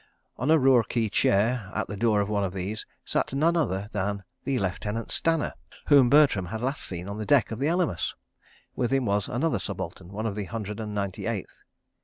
On a Roorkee chair, at the door of one of these, sat none other than the Lieutenant Stanner whom Bertram had last seen on the deck of Elymas. With him was another subaltern, one of the Hundred and Ninety Eighth.